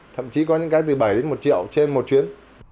thậm chí có những cái từ bảy đến một triệu trên một chuyến